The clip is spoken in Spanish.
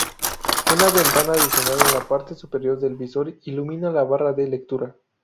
Una ventana adicional en la parte superior del visor ilumina la barra de lectura.